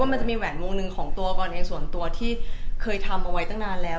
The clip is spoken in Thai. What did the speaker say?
มันจะมีแหวนวงหนึ่งของตัวบอลเองส่วนตัวที่เคยทำเอาไว้ตั้งนานแล้ว